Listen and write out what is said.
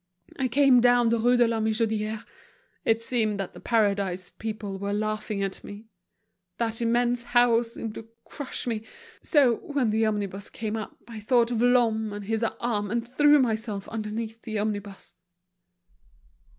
I came down the Rue de la Michodière—it seemed that The Paradise people were laughing at me, that immense house seemed to crush me. So, when the omnibus came up, I thought of Lhomme and his arm, and threw myself underneath the omnibus."